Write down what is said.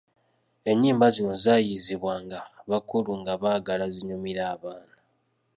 Ennyimba zino zayiyizibwanga bakulu nga baagala zinyumire abaana.